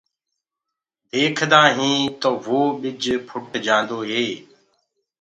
ديکدآ هين تو وو ٻج ڦٽ جآندو هي